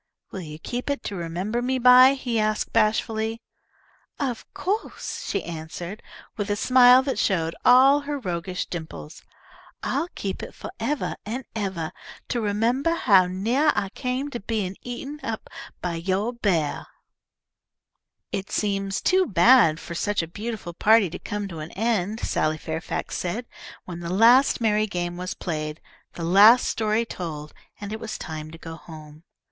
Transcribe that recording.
"Will you keep it to remember me by?" he asked, bashfully. "Of co'se!" she answered, with a smile that showed all her roguish dimples. "I'll keep it fo'evah and evah to remembah how neah I came to bein' eaten up by yo' bea'h." [Illustration: "'WILL YOU KEEP IT TO REMEMBER ME BY?'"] "It seems too bad for such a beautiful party to come to an end," Sally Fairfax said when the last merry game was played, the last story told, and it was time to go home.